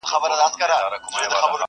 موچي ولي خبروې له خپله زوره؛